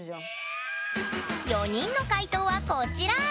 ４人の解答はこちら！